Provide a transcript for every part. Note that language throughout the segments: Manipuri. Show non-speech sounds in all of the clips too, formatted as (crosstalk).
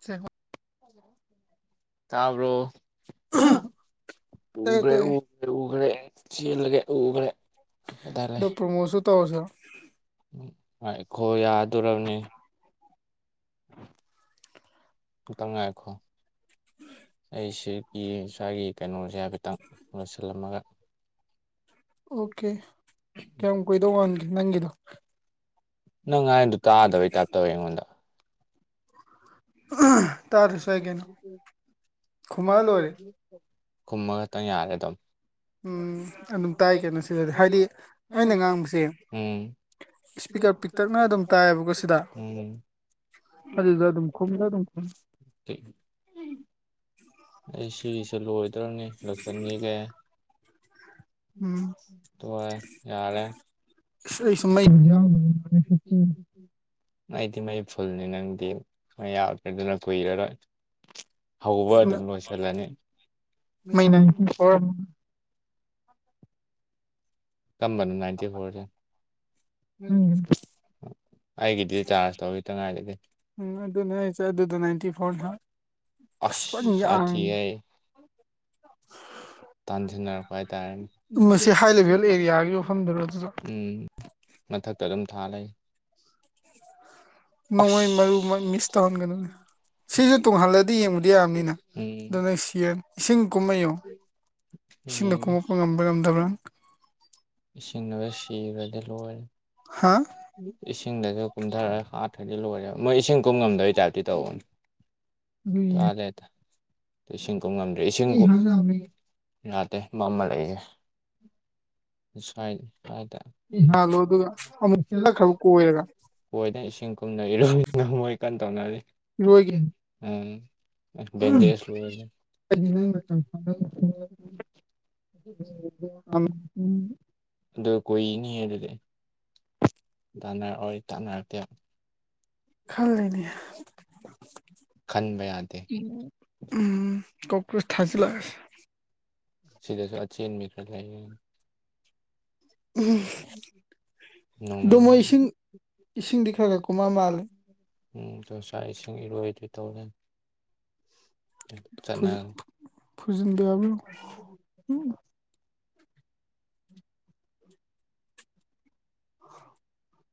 (unintelligible) ꯇꯥꯕ꯭ꯔꯣ ꯎ꯭ꯕꯔꯣ ꯎꯒꯦ ꯁꯤꯜꯒ ꯎꯒꯦꯗꯔꯦ ꯈꯣꯏ ꯌꯥꯗꯣꯕꯅꯦ ꯇꯉꯥꯏꯈꯣ (inaudible) ꯑꯩ ꯁꯤꯒꯤ ꯏꯁꯥꯒꯤ ꯀꯩꯅꯣꯁꯦ ꯍꯥꯏꯐꯦꯠꯇꯪ ꯂꯣꯏꯁꯤꯜꯂꯝꯃꯒ ꯑꯣꯀꯦ ꯀꯌꯥꯝ ꯀꯨꯏꯗꯧ ꯃꯥꯟꯒꯦ ꯅꯪꯒꯤꯗꯣ ꯅꯪ ꯍꯥꯏꯗꯣ ꯇꯥꯗꯕꯩ ꯇꯥꯏꯞ ꯇꯧꯋꯦ ꯑꯩꯉꯣꯟꯗ ꯇꯥꯗ꯭ꯔꯁꯨ ꯌꯥꯏ ꯀꯩꯅꯣ ꯈꯨꯝꯃꯛꯑ ꯂꯣꯏꯔꯦ ꯀꯨꯝꯃ ꯈꯇꯪ ꯌꯥꯔꯦ ꯑꯗꯨꯝ ꯎꯝ ꯑꯗꯨꯝ ꯇꯥꯏ ꯀꯩꯅꯣ ꯁꯤꯗꯗꯤ ꯍꯥꯏꯗꯤ ꯑꯩꯅ ꯉꯥꯡꯕꯁꯦ ꯎꯝ ꯑꯗꯨꯗ ꯑꯗꯨꯝ (unintelligible) ꯑꯩ ꯁꯤꯒꯤꯁꯦ ꯂꯣꯏꯗ꯭ꯔꯣꯝꯅꯤ ꯂꯣꯏꯁꯤꯟꯈꯤꯒꯦ ꯇꯣꯏ ꯌꯥꯔꯦ ꯑꯩꯁꯨ ꯃꯩꯕꯨ (unintelligible) ꯑꯩꯗꯤ ꯃꯩ ꯐꯨꯜꯅꯤ ꯅꯪꯗꯤ ꯃꯩ ꯌꯥꯎꯗ꯭ꯔꯦꯗꯨꯅ ꯀꯨꯏꯔꯔꯣꯏ ꯍꯧꯕ ꯑꯗꯨꯝ ꯂꯣꯏꯁꯤꯜꯂꯅꯤ (unintelligible) ꯀꯝꯕꯅꯣ ꯅꯥꯏꯟꯇꯤ ꯐꯣꯔꯁꯦ ꯎꯝ ꯑꯗꯨꯅꯦ ꯍꯥꯏꯁꯦ ꯑꯗꯨꯗ ꯅꯏꯟꯇꯤ ꯐꯣꯔ ꯍꯞꯔ ꯑꯁ ꯐꯟ ꯌꯥꯡ ꯇꯥꯟꯁꯤꯟꯅꯔꯛꯄ ꯍꯥꯏꯇꯥꯔꯦꯅꯦ ꯎꯝ ꯃꯊꯛꯇ ꯑꯗꯨꯝ ꯊꯥ ꯂꯩ ꯑꯁ ꯁꯤꯖꯨ ꯇꯣꯡꯍꯜꯂꯗꯤ ꯍꯤꯡꯉꯗꯤ ꯌꯥꯕ ꯎꯝ ꯆꯤꯡ ꯀꯨꯝꯃ ꯌꯦꯡ ꯏꯁꯤꯡꯗ ꯀꯨꯝꯃꯛꯄ ꯉꯝꯕ꯭ꯔꯥ ꯉꯝꯗꯕ꯭ꯔꯥ ꯏꯁꯤꯡꯗꯒ ꯁꯤꯔꯗꯤ ꯂꯣꯏꯔꯦ ꯏꯁꯤꯡꯗꯒ ꯀꯨꯝꯗꯔꯒ ꯍꯥꯠꯈ꯭ꯔꯗꯤ ꯗꯤꯂꯣꯏꯔꯦ ꯃꯣꯏ ꯏꯁꯤꯡ ꯀꯨꯝ ꯉꯝꯗꯕꯩ ꯇꯥꯏꯞꯇꯤ ꯇꯧꯕꯅꯤ ꯏꯁꯤꯡ ꯀꯨꯝ ꯉꯝꯗ꯭ꯔꯦ ꯏꯁꯤꯡꯕꯨ ꯌꯥꯗꯦ ꯃꯝꯃ ꯂꯩꯌꯦ ꯁ꯭ꯋꯥꯏ ꯀꯥꯏꯗ ꯏꯕꯥꯜꯂꯣ ꯑꯗꯨꯒ ꯑꯃꯨꯛ ꯆꯦꯜꯂꯛꯈ꯭ꯔꯕ ꯀꯣꯏꯔꯒ ꯀꯣꯏꯅ ꯏꯁꯤꯡ ꯀꯨꯝꯅ ꯏꯔꯨ ꯂꯨ ꯉꯝꯃꯣꯏ ꯀꯟꯅ ꯇꯧꯅꯔꯤ ꯎꯝ ꯕꯦꯟꯗꯦꯁ (unintelligible) (unintelligible) ꯑꯗꯨ ꯀꯨꯏꯅꯤꯍꯦ ꯑꯗꯨꯗꯤ ꯇꯥꯟꯅꯔꯛꯑꯣꯏ ꯇꯥꯟꯅꯔꯛꯇꯦ ꯈꯜꯂꯤꯅꯤ ꯎꯝ ꯀꯣꯛꯀ꯭ꯔꯨꯁ ꯊꯥꯖꯤꯜꯂꯛꯑꯁꯦ ꯁꯤꯗꯁꯨ ꯑꯆꯦꯟꯕꯤ ꯈꯔ ꯂꯩꯌꯦ ꯎꯝ ꯅꯣꯡꯃꯩ ꯑꯗꯣ ꯃꯣꯏ ꯏꯁꯤꯡ ꯏꯁꯤꯡꯗꯤ ꯈꯔ ꯈꯔꯗꯤ ꯀꯨꯃꯛꯑ ꯃꯥꯜꯂꯦ ꯎꯝ ꯈꯣꯏ ꯁꯥꯏ ꯏꯁꯤꯡ ꯏꯔꯣꯏꯗꯣꯏ ꯇꯧ ꯂꯩꯃꯤ ꯆꯠꯅ (inaudible)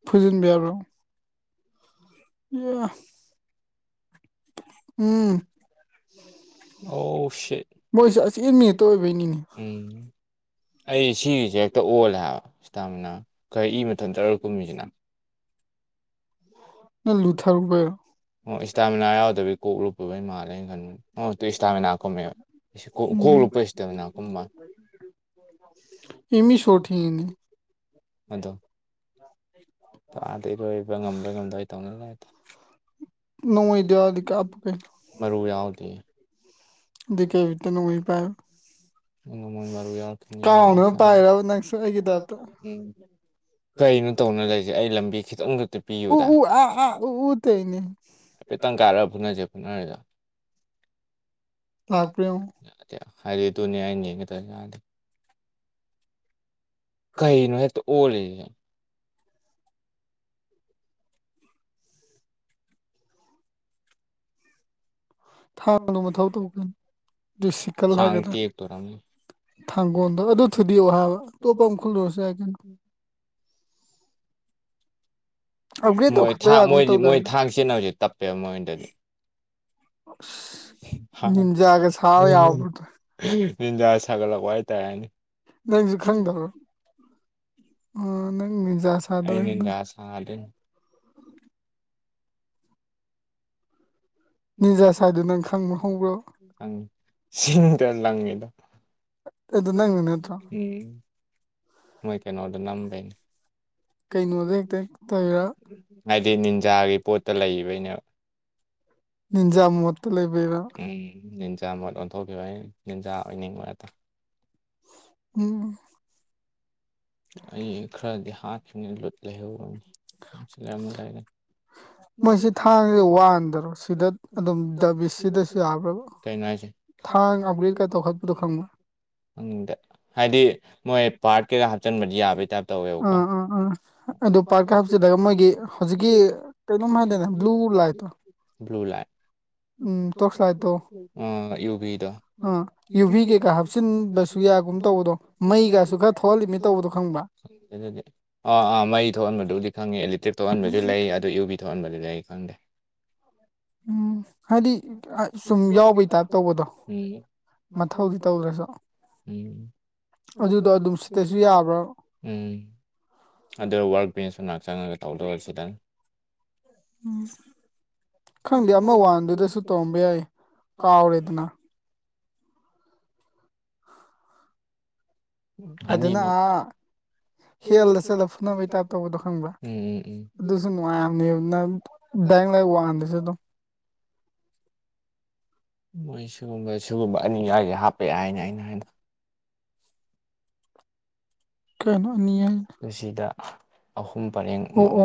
ꯐꯨꯖꯤꯟꯕ ꯌꯥꯕ꯭ꯔꯣ ꯌꯥ ꯎꯝ ꯑꯣ ꯁꯦꯠ ꯎꯝ ꯑꯩ ꯁꯤꯒꯤꯖꯦ ꯍꯦꯛꯇ ꯑꯣꯜꯂꯦ ꯍꯥꯏꯕ ꯁ꯭ꯇꯥꯃꯤꯅ ꯀꯩ ꯏ ꯃꯊꯟꯇꯔ ꯀꯨꯝꯃꯤꯁꯤꯅ ꯅꯪ ꯂꯨꯊꯔꯨꯕꯩꯔꯣ ꯑꯣ ꯁ꯭ꯇꯥꯃꯤꯅꯥ ꯌꯥꯎꯗꯕꯩ ꯀꯣꯛ ꯂꯨꯞꯄꯨꯕꯩ ꯃꯥꯜꯂꯦ ꯑꯩ ꯈꯟꯕꯗ ꯑꯣ ꯇꯨ ꯁ꯭ꯇꯥꯃꯤꯅꯥ ꯀꯨꯝꯃꯦꯕ ꯏꯁ ꯀꯣꯛ ꯀꯣꯛ ꯂꯨꯞꯄ ꯁ꯭ꯇꯥꯃꯤꯅꯥ ꯀꯨꯝ ꯃꯥꯜꯂꯦ ꯑꯗꯣ ꯇꯥꯗꯤꯔꯣꯏꯕ ꯉꯝꯕꯣꯏ ꯉꯝꯗꯉꯩ ꯇꯧꯅꯂꯣꯏꯗ ꯃꯔꯨ ꯌꯥꯎꯗꯦ (unintelligible) ꯅꯨꯡꯉꯩ ꯄꯥꯏꯕ (unintelligible) ꯀꯩꯅꯣ ꯇꯧꯅ ꯂꯩꯁꯦ ꯑꯩ ꯂꯝꯕꯤ ꯈꯤꯇꯪꯈꯛꯇ ꯄꯤꯌꯨꯗ ꯍꯥꯏꯐꯦꯠꯇꯪ ꯀꯥꯔꯥ ꯐꯨꯅꯖꯦ ꯐꯨꯅꯔꯖꯤꯔ ꯍꯥꯏꯗꯤ ꯑꯗꯨꯅꯦ ꯑꯩꯅ ꯌꯦꯡꯒꯦ ꯇꯧ (unintelligible) ꯀꯩꯅꯣ ꯍꯦꯛꯇ ꯑꯣꯜꯂꯤꯖꯤ (unintelligible) ꯊꯥ (unintelligible) ꯗꯨꯅ ꯃꯊꯧ ꯇꯧꯒꯅꯤ ꯑꯗꯨ ꯁꯤꯀꯜ ꯍꯥꯏꯒꯗ꯭ꯔꯥ ꯊꯥꯡꯒꯣꯟꯗꯣ ꯑꯗꯨ ꯊꯨꯗꯦꯛꯎ ꯍꯥꯏꯕ ꯑꯇꯣꯞꯄ ꯑꯃ ꯈꯨꯜꯂꯨꯔꯁꯨ ꯌꯥꯏ ꯀꯩꯅꯣ ꯑꯞꯒ꯭ꯔꯦꯠ ꯇꯧꯈꯠꯄ ꯌꯥꯒꯨꯝ ꯇꯧꯗꯥꯏꯅꯦ ꯅꯤꯟꯖꯥꯒ ꯁꯥꯥꯎ ꯌꯥꯎꯄꯣꯟꯇꯦ ꯅꯪꯖꯨ ꯈꯪꯗꯕ꯭ꯔꯣ ꯑꯩꯩ ꯅꯤꯟꯗ ꯁꯥꯗꯣꯏꯅꯤ ꯈꯪꯉꯤ ꯁꯤꯡꯒꯜ ꯂꯡꯉꯤꯗ ꯎꯝ ꯃꯣꯏ ꯀꯩꯅꯣꯗ ꯅꯝꯕꯩꯅꯤ ꯍꯥꯏꯗꯤ ꯅꯤꯟꯖꯥꯒꯤ ꯄꯣꯠꯇ ꯂꯩꯕꯩꯅꯦꯕ (unintelligible) ꯃꯆꯥ ꯃꯣꯠ ꯑꯣꯟꯊꯣꯛꯈꯤꯕ ꯩ ꯑꯩꯟꯖꯥ (unintelligible) ꯑꯣꯏꯅꯤꯡꯕꯇꯥ ꯎꯝ ꯑꯩ ꯈꯔꯗꯤ ꯍꯥꯠꯈꯤꯕ꯭ꯅꯤ ꯂꯨꯠ ꯂꯩꯍꯧ (unintelligible) ꯃꯣꯏꯁꯤ ꯊꯥꯡꯖꯦ ꯋꯥꯟꯗꯔꯣ ꯁꯤꯗ ꯑꯗꯨꯝ ꯗꯕꯤꯁ ꯁꯤꯗꯁꯨ ꯌꯥꯕ꯭ꯔꯕ ꯊꯥꯡ ꯑꯞꯒ꯭ꯔꯦꯗ ꯀ ꯇꯧꯈꯠꯄꯗꯣ ꯈꯪꯕ ꯈꯪꯗꯦ ꯍꯥꯏꯗꯤ ꯃꯣꯏ ꯄꯥꯔꯠ ꯀꯩꯀꯥ ꯍꯥꯞꯆꯟꯕꯗꯤ ꯌꯥꯕꯩ ꯇꯥꯏꯞ ꯇꯧꯋꯦꯕꯀꯣ ꯑ ꯑ ꯑ ꯑꯗꯨꯛ (unintelligible) ꯕ꯭ꯂꯨ ꯂꯥꯏꯠ (unintelligible) ꯑ ꯌꯨ. ꯕꯤ. ꯗꯣ ꯑ ꯌꯨ. ꯕꯤ. ꯔꯦ ꯀ ꯎꯪꯕꯁꯨ ꯌꯥꯒꯨꯝ ꯇꯧꯕꯗꯣ ꯃꯩꯒꯁꯨ ꯈꯔ ꯊꯣꯛꯍꯜꯂꯤꯃꯤꯠ ꯇꯧꯕꯗꯣ ꯈꯪꯕ ꯑꯗꯨꯗꯤ ꯑꯥ ꯑꯥ ꯃꯩ ꯊꯣꯛꯍꯟꯕꯗꯨꯕꯨꯗꯤ ꯈꯪꯉꯤ ꯑꯦꯂꯤꯠ ꯇꯤꯞ ꯊꯣꯛꯍꯟꯕꯖꯨ ꯂꯩ ꯑꯗꯨ ꯏꯌꯨ ꯕꯤ ꯊꯣꯛꯍꯟꯕꯖꯨ ꯂꯩ ꯈꯪꯗꯦ ꯎꯝ ꯍꯥꯏꯗꯤ ꯑ ꯁꯨꯝ ꯌꯥꯎꯕꯩ ꯇꯥꯏꯞ ꯇꯧꯕꯗꯣ (unintelligible) ꯑꯗꯨꯗꯣ ꯑꯗꯨꯝ ꯁꯤꯠꯇꯁꯨ ꯌꯥꯕ꯭ꯔꯥꯕ ꯎꯝ ꯑꯗꯣ ꯋꯥꯔꯛ ꯕꯦꯟꯁꯁꯨ ꯉꯍꯥꯛ ꯆꯪꯉꯒ ꯇꯧꯗꯣꯏꯔꯁꯤꯗꯪ ꯎꯝ ꯈꯪꯗꯦ ꯑꯃ ꯋꯥꯟꯗꯨꯗꯁꯨ ꯇꯧꯔꯝꯕ ꯌꯥꯏ ꯀꯥꯎꯔꯦꯗꯅ ꯑꯅꯤꯃꯛ (unintelligible) ꯎꯝ (unintelligible) ꯅꯟ ꯗꯥꯥꯏ (unintelligible) ꯋꯥꯟꯗꯖꯨꯗꯣ ꯃꯣꯏ ꯁꯤꯒꯨꯝꯕ ꯁꯤꯒꯨꯝꯕ ꯑꯅꯤ ꯍꯥꯏꯖꯦ ꯍꯥꯞꯄ ꯌꯥꯏ ꯍꯥꯏꯅ ꯑꯩꯅ ꯍꯥꯏꯗ ꯇꯨꯁꯤꯗ ꯑꯍꯨꯝ ꯄꯔꯦꯡ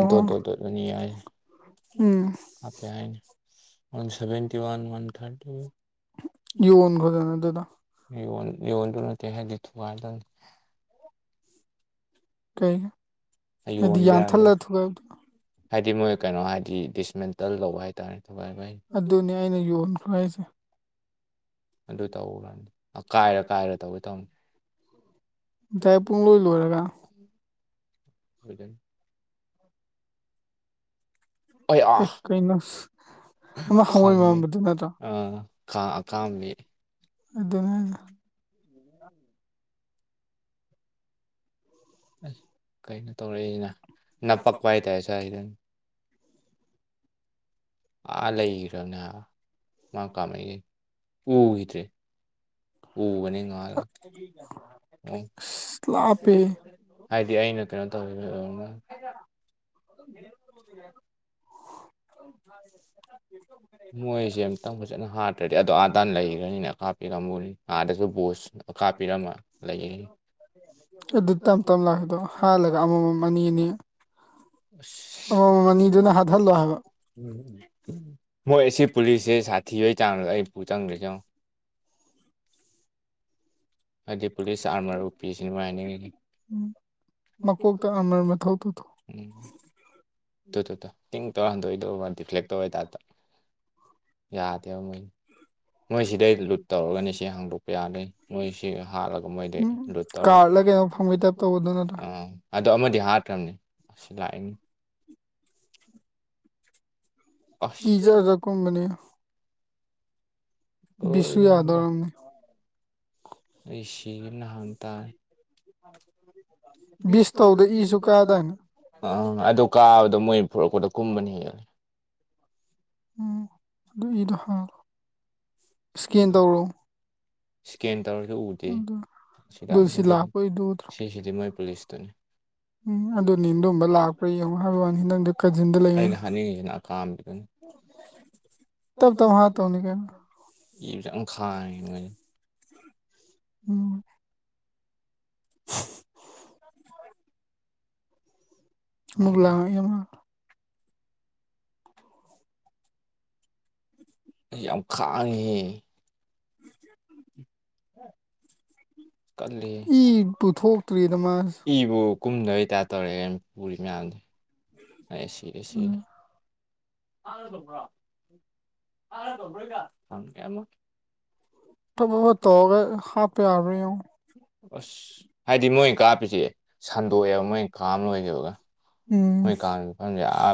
ꯗꯣꯠ ꯗꯣꯠ ꯗꯣꯠ ꯑꯅꯤ ꯌꯥꯎꯏꯖꯦ (unintelligible) ꯋꯥꯟꯁꯚꯦꯟꯇꯤꯋꯥꯟ ꯋꯥꯟꯊꯥꯔꯇꯤ ꯌꯣꯟꯒꯣꯗꯅ ꯑꯗꯨꯗꯣ ꯌꯣꯟ ꯌꯣꯟꯗꯨ ꯅꯠꯇꯦ ꯍꯥꯏꯗꯤ ꯊꯨꯒꯥꯏꯗꯧꯅꯤ ꯑꯩ ꯌꯣꯟꯒ꯭ꯔꯦ ꯍꯥꯏꯗꯨ ꯍꯥꯏꯗꯤ ꯃꯣꯏ ꯀꯩꯅꯣ ꯍꯥꯏꯗꯤ ꯗꯤꯁꯃꯦꯟꯇꯜ ꯂꯧꯕ ꯍꯥꯏꯇꯥꯔꯦ ꯊꯕꯥꯏꯕꯥꯏ ꯑꯗꯨꯅꯦ ꯑꯩꯅ ꯌꯣꯟꯈ꯭ꯔꯣ ꯍꯥꯏꯁꯦ ꯑꯗꯨ ꯇꯧꯔꯟ ꯑ ꯀꯥꯏꯔ ꯀꯥꯏꯔ ꯇꯧꯋꯦ ꯇꯧꯅꯤ (unintelligible) ꯑꯌꯥ ꯈꯪꯉꯦ ꯑ ꯈꯥ ꯑꯈꯥꯝꯕꯤ ꯑꯗꯨꯅꯤ ꯑꯁ ꯀꯩꯅꯣ ꯇꯧꯔꯛꯏꯖꯤꯅ ꯅꯞꯄꯛꯄ ꯍꯥꯏꯇꯥꯔꯦ ꯁꯥꯏꯖꯤꯗ ꯑꯥ ꯂꯩꯒ꯭ꯔꯕꯅꯦ ꯍꯥꯏꯕ ꯃꯥ ꯀꯥꯃꯛꯏꯖꯦ ꯎꯒꯤꯗ꯭ꯔꯦ ꯎꯕꯅꯤ ꯉ (unintelligible) ꯍꯥꯏꯗꯤ ꯑꯩꯅ ꯀꯩꯅꯣ ꯇꯧꯈꯤꯕ (unintelligible) (inaudible) ꯃꯣꯏꯁꯦ ꯑꯃꯨꯛꯇꯪ ꯐꯖꯅ ꯍꯥꯠꯇ꯭ꯔꯗꯤ ꯑꯗꯣ ꯑꯥꯗꯥꯟ ꯂꯩꯈ꯭ꯔꯅꯤꯕꯅ ꯀꯥꯞꯄꯤꯔꯝꯃꯨꯅꯤ ꯑꯥꯗꯁꯨ ꯕꯣꯁ ꯑꯗꯨ ꯇꯞ ꯇꯞ ꯂꯥꯛꯄꯗꯣ ꯍꯥꯜꯂꯒ ꯑꯃꯃꯝ ꯑꯅꯤ ꯑꯅꯤ ꯑꯁ (unintelligible) ꯑꯅꯤꯗꯨꯅ ꯃꯣꯏ ꯑꯁꯤ ꯄꯨꯂꯤꯁꯦ ꯁꯥꯊꯤꯕꯩ ꯆꯥꯡꯗ ꯑꯩ ꯄꯨ ꯆꯪꯒ꯭ꯔꯤꯖꯦ ꯌꯦꯡꯉꯣ ꯍꯥꯏꯗꯤ ꯄꯨꯂꯤꯁ ꯑꯥꯔꯃꯔ ꯎꯄꯤꯁꯤ ꯃꯣꯏꯅ ꯍꯥꯏꯅꯤꯡꯉꯤꯁꯦ ꯃꯦ ꯇꯔ ꯇꯨ ꯇꯨ ꯇꯨ ꯇꯤꯡ ꯇꯔꯍꯟꯗꯣꯏꯗꯧꯕꯇꯗꯤꯐ꯭ꯂꯦꯛ ꯇꯧ ꯍꯥꯏꯇꯥꯔꯦ ꯌꯥꯗꯦꯕ ꯃꯣꯏ ꯃꯣꯏ ꯁꯤꯗꯩ ꯂꯨꯠ ꯇꯧꯔꯒꯅꯤ ꯁꯤ ꯍꯥꯡꯗꯣꯛꯄ ꯌꯥꯗꯣꯏ ꯃꯣꯏꯁꯤꯒ ꯍꯥꯠꯂꯒ ꯃꯣꯏꯗꯤ ꯂꯨꯠ ꯇꯧꯔ ꯑꯣ ꯑꯗꯣ ꯑꯃꯗꯤ ꯍꯥꯠꯈꯔ꯭ ꯕꯅꯤ ꯑꯁꯤ ꯂꯥꯛꯏꯅꯤ ꯀꯖꯥꯖꯀꯨꯝꯕꯅꯤ ꯁꯨ ꯌꯥꯗꯤꯔꯝꯃꯤ ꯑꯩ ꯁꯤꯈꯤꯕꯅ ꯍꯥꯟ ꯇꯥꯔꯦ ꯕꯤꯁ ꯇꯧꯗ ꯏꯁꯨ ꯀꯥꯗꯥꯅꯤ ꯑꯝ ꯑꯗꯨ ꯀꯥꯕꯗꯣ ꯃꯣꯏ ꯄꯨꯔꯛꯄꯗ ꯀꯨꯝꯕꯅꯤ ꯍꯦꯜꯂꯦ ꯎꯝ ꯑꯗꯨꯏꯗꯣ ꯍꯥꯡꯉꯣ ꯏꯁꯀꯦꯟ ꯇꯧꯔꯣ ꯑꯝ ꯗꯨꯏꯁꯤ ꯂꯥꯛꯄꯩꯗꯣ ꯎꯝ ꯑꯗꯨ ꯗꯣꯝꯕ ꯂꯥꯛꯄ꯭ꯔꯥ ꯌꯦꯡꯉꯣ ꯍꯥꯏꯕ ꯋꯥꯅꯤ ꯊꯪꯗ ꯀꯥꯖꯤꯟꯗ ꯂꯩꯃꯤ ꯇꯝ ꯇꯝ ꯍꯠꯇꯧꯅꯤ ꯀꯩꯅꯣ ꯏꯕꯁꯦ ꯌꯥꯝ ꯈꯥꯡꯉꯦ ꯃꯣꯏꯁꯦ ꯎꯝ ꯃꯨꯛ ꯂꯥꯡ ꯑꯃꯃ ꯎꯝ ꯏ ꯄꯨꯊꯣꯛꯇ꯭ꯔꯤꯗ ꯃꯥꯖꯦ ꯑꯩ ꯁꯤꯔꯦ ꯁꯤꯔꯦ ꯈꯪꯗꯦ ꯑꯃ ꯇꯞ ꯇꯧꯔꯥ ꯍꯥꯠꯄ ꯌ꯭ꯕꯔꯥ ꯌꯦꯡꯉꯣ ꯑꯁ ꯍꯥꯏꯗꯤ ꯃꯣꯏ ꯀꯥꯞꯄꯤꯁꯦ ꯁꯟꯗꯣꯛꯑꯦꯕ ꯃꯣꯏ ꯀꯥꯞ ꯂꯣꯏꯈꯤꯕꯒ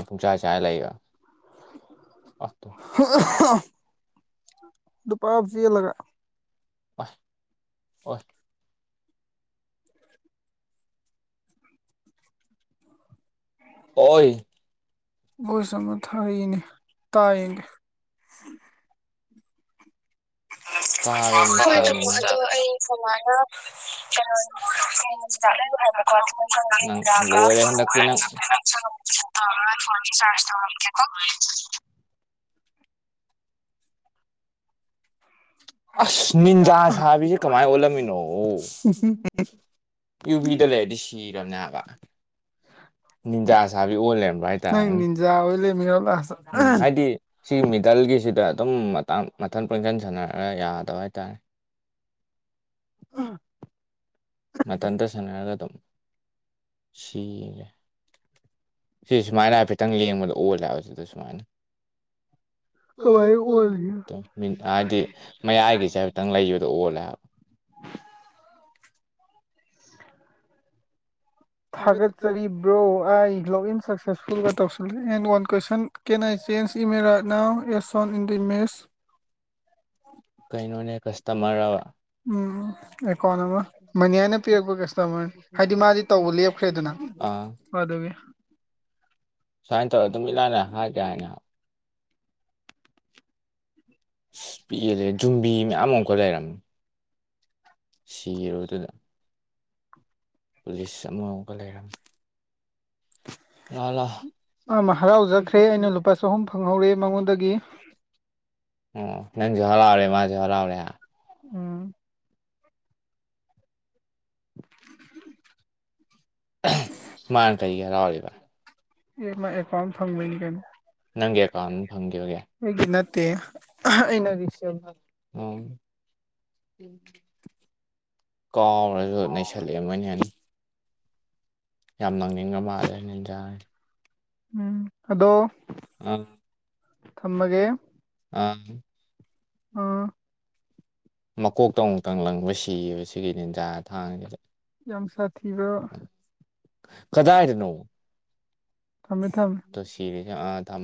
ꯄꯨꯡꯆꯥꯏ ꯆꯥꯏ ꯂꯩꯕꯥ ꯑꯑꯥꯑꯥ ꯑꯥꯏ ꯍꯣꯏ ꯕꯣꯏꯁ ꯑꯃ ꯊꯔꯥ ꯌꯦꯡꯒꯦ ꯁꯦꯁ ꯑꯩ ꯀꯃꯥꯏꯅ ꯒ ꯐꯣꯟ ꯆꯥꯔꯁ ꯇꯧꯔꯝꯒꯦꯀꯣ ꯑꯁ ꯅꯤꯟꯖꯥ ꯁꯥꯕꯤꯁꯦ ꯀꯃꯥꯏꯅ ꯑꯣꯜꯂꯝꯃꯤꯅꯣ ꯌꯨꯚꯤꯗ ꯂꯩꯔꯗꯤ ꯁꯤꯔꯕꯅꯦ ꯍꯥꯏꯕ ꯅꯤꯟꯖꯥ ꯁꯥꯕꯤꯁꯦ ꯑꯣꯜ ꯂꯩꯔꯝ ꯍꯥꯏꯇꯥꯔꯦꯅꯦ ꯅꯤꯟꯖꯥ ꯑꯣꯏ ꯂꯩꯔꯝꯃꯤꯔꯕ ꯂꯥꯁꯇ ꯎꯝ ꯍꯥꯏꯗꯤ ꯁꯤ ꯃꯤꯗꯜꯒꯤꯁꯤꯗ ꯑꯗꯨꯝ ꯃꯇꯥꯡ ꯃꯊꯟ ꯄꯪꯁꯥꯟ ꯁꯥꯟꯅꯔꯒ ꯌꯥꯗꯕ ꯍꯥꯏꯇꯥꯔꯦ ꯑꯝ ꯃꯇꯊꯟꯇ ꯁꯥꯟꯅꯔꯒ ꯑꯗꯨꯝ ꯁꯤꯔꯦ꯫ ꯁꯤ ꯁꯨꯃꯥꯏꯅ ꯍꯥꯏꯐꯦꯠꯇꯪ ꯂꯦꯡꯕꯗ ꯑꯣꯜꯂꯦ ꯍꯥꯏꯕ ꯁꯤꯗ ꯁꯨꯃꯥꯏꯅ꯫ (unintelligible) ꯀꯃꯥꯏ ꯎꯂꯤ꯫ ꯊꯥꯒꯠꯆꯔꯤꯕ꯭ꯔꯣ ꯑꯩꯥꯏ ꯂꯣꯛꯏꯟ ꯁꯛꯁꯦꯁꯐꯨꯜꯒ ꯇꯧꯁꯜꯂ and one question. Can I change ꯏꯃꯦꯔꯥ ꯅꯥꯎ ꯑꯦꯁꯣꯟ ꯏꯟꯗꯤꯃꯦꯁ꯫ ꯀꯩꯅꯣꯅꯦ ꯀꯁꯇꯃꯔꯔꯕ꯫ ꯎꯝ ꯑꯦꯀꯥꯎ ꯑꯃ ꯃꯅꯤ ꯍꯥꯏꯅ ꯄꯤꯔꯛꯄ ꯀꯁꯇꯃꯔ ꯍꯥꯏꯗꯤ ꯃꯥꯗꯤ꯫ ꯑ꯫ ꯁꯨꯃꯥꯏꯅ ꯇꯧꯔꯒ ꯑꯗꯨꯝ ꯏꯂꯥꯏ ꯂꯥꯏꯅ ꯍꯥꯠ ꯌꯥꯏꯅ ꯑꯁ ꯄꯦꯜꯍꯦ ꯖꯨꯝꯕꯤ ꯃꯌꯥꯝ ꯑꯃꯨꯛꯀ ꯂꯩꯔꯝꯃꯦ (unintelligible) ꯄꯨꯂꯤꯁ ꯑꯃꯃꯨꯛꯀ ꯂꯩꯔꯝꯃꯤ ꯂꯥꯛꯑꯣ ꯂꯥꯛꯑꯣ ꯑ ꯍꯔꯥꯎꯖꯈ꯭ꯔꯦ ꯑꯩꯅ ꯂꯨꯄꯥ ꯆꯍꯨꯝ ꯐꯪꯍꯧꯔꯦ ꯃꯉꯣꯟꯗꯒꯤ ꯑꯣ ꯅꯪꯖꯨ ꯍꯔꯥꯎꯔꯦ ꯃꯥꯖꯨ ꯍꯔꯥꯎꯔꯦ ꯎꯝ (unintelligible) ꯃꯥꯅ ꯀꯔꯤꯒꯤ ꯍꯔꯥꯎꯔꯤꯕ꯫ ꯅꯪꯒꯤ ꯑꯦꯀꯥꯎꯟ ꯐꯪꯈꯤꯕꯒꯦ꯫ ꯑꯩꯒꯤ ꯅꯠꯇꯦ꯫ (unintelligible) ꯀꯥꯎꯔꯁꯨ ꯅꯩꯁꯜꯂꯛꯑꯦ ꯃꯣꯏꯅ ꯍꯦꯟꯅ꯫ ꯌꯥꯝ ꯅꯪꯅꯤꯡꯕ ꯃꯥꯜꯂꯦ ꯅꯦꯟꯖꯥ꯫ ꯎꯝ꯫ ꯑ ꯑ꯫ ꯑ꯫ ꯃꯀꯣꯛꯇ ꯑꯃꯨꯛꯇꯪ ꯂꯪꯕ ꯁꯤꯌꯦꯕ ꯁꯤꯒꯤ ꯅꯤꯟꯖꯥ ꯊꯥꯡꯁꯤꯗ꯫ ꯀꯗꯥꯏꯗꯅꯣ꯫ ꯇꯨ ꯁꯤꯔꯦꯁ ꯑ ꯊꯝ꯫